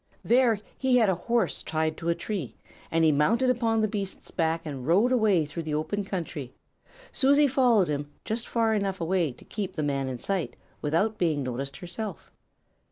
There he had a horse tied to a tree, and he mounted upon the beast's back and rode away through the open country. Susie followed him, just far enough away to keep the man in sight, without being noticed herself.